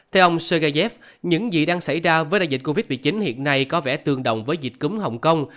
theo ông sugazev những gì đang xảy ra với đại dịch covid một mươi chín hiện nay có vẻ tương đồng với dịch cúm hồng kông